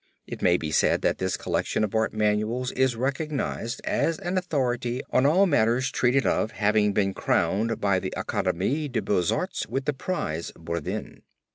It may be said that this collection of art manuals is recognized as an authority on all matters treated of, having been crowned by the Academie Des Beaux Arts with the prize Bordin.